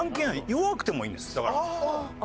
弱くてもいいんですだから。